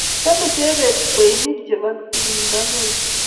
Chame Jebet kweinik nebo titingdo neo